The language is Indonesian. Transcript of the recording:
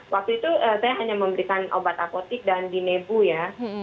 waktu itu saya hanya memberikan obat apotik dan dinebu ya